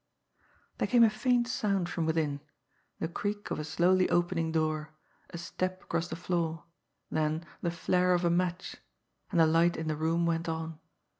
There came a faint sound from within the creak of a slowly opening door, a step across the floor, then the flare of a match, and the light in the room went on.